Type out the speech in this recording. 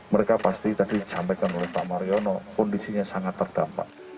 mereka pasti tadi disampaikan oleh pak mariono kondisinya sangat terdampak